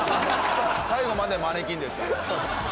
最後までマネキンでしたね。